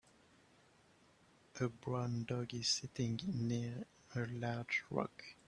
A brown dog is sitting near a large rock.